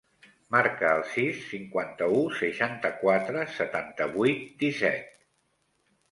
Marca el sis, cinquanta-u, seixanta-quatre, setanta-vuit, disset.